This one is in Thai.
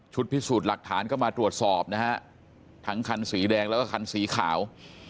พิสูจน์หลักฐานก็มาตรวจสอบนะฮะทั้งคันสีแดงแล้วก็คันสีขาว